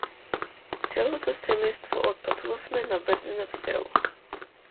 Целото семејство отпатувавме набрзина в село.